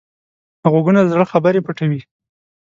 غوږونه د زړه خبرې پټوي